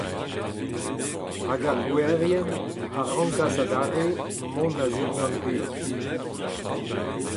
Hag ar gouerien a rankas adarre mont a-zindan-guzh.